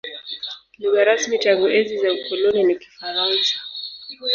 Lugha rasmi tangu enzi za ukoloni ni Kifaransa.